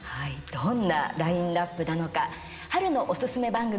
どんなラインナップなのか春のおすすめ番組